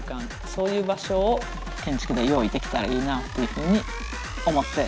そういう場所を建築で用意できたらいいなっていうふうに思っています。